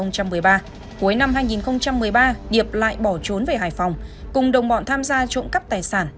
cuối năm hai nghìn một mươi ba điệp lại bỏ trốn về hải phòng cùng đồng bọn tham gia trộm cắp tài sản